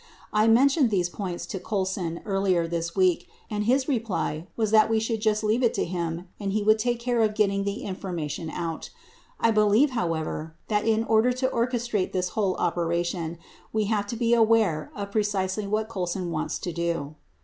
I mentioned these points to Colson earlier this week, and his reply was that we should just leave it to him and he would take care of getting the information out. I believe, however, that in order to orchestrate this whole operation we have to be aware of precisely what Colson wants to do.